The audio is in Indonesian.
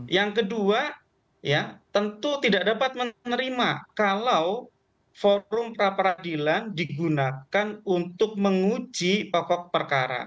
yang kedua ya tentu tidak dapat menerima kalau forum pra peradilan digunakan untuk menguji pokok perkara